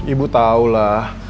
ibu tahu lah